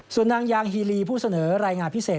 ส่วนนางยางฮีรีผู้เสนอรายงานพิเศษ